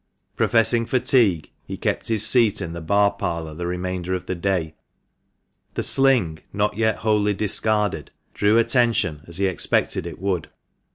Professing fatigue, he kept his seat in the bar parlour the remainder of the day. The sling, not yet wholly discarded, drew attention, as he expected it would.